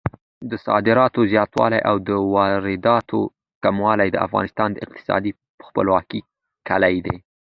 د صادراتو زیاتوالی او د وارداتو کموالی د افغانستان د اقتصادي خپلواکۍ کیلي ده.